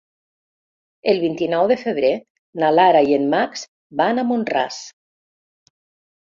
El vint-i-nou de febrer na Lara i en Max van a Mont-ras.